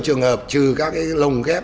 trường hợp trừ các cái lồng ghép